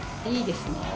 いいですね。